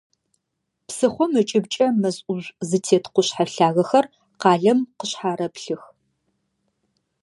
Псыхъом ыкӏыбкӏэ мэз ӏужъу зытет къушъхьэ лъагэхэр къалэм къышъхьарэплъых.